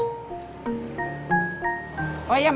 tadi kita pulang di ineke